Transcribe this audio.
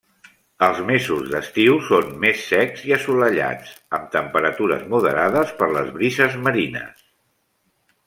Els mesos d'estiu són més secs i assolellats, amb temperatures moderades per les brises marines.